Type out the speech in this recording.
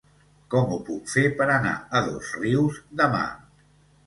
Com ho puc fer per anar a Dosrius demà?